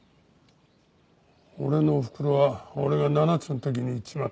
俺のおふくろは俺が７つの時に逝っちまった。